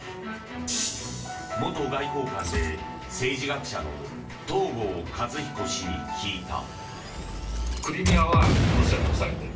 元外交官で政治学者の東郷和彦氏に聞いた。